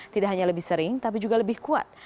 tidak hanya lebih sering tapi juga lebih kuat